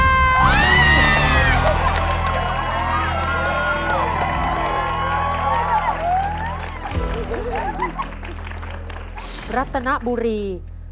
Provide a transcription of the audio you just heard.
คำถามสำหรับเรื่องอำเภอรัตนบุรี